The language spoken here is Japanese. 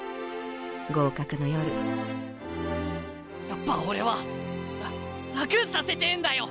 やっぱ俺は楽させてえんだよ